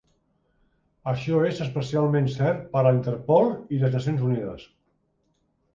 Això és especialment cert per a la Interpol i les Nacions Unides.